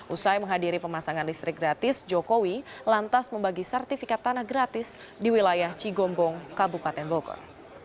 usai menghadiri pemasangan listrik gratis jokowi lantas membagi sertifikat tanah gratis di wilayah cigombong kabupaten bogor